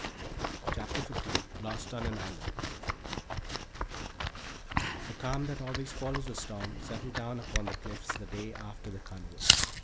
CHAPTER XV LOST ON AN ISLAND The calm that always follows a storm settled down upon the Cliffs the day after the carnival.